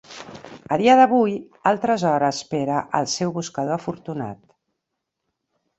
A dia d'avui, el tresor espera al seu buscador afortunat.